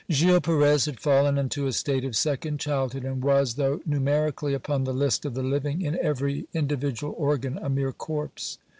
Gil Perez had fallen into a state of second childhood, and was, though numerically upon the list of the living, in every individual organ a mere corpse.